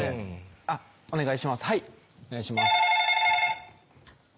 お願いします。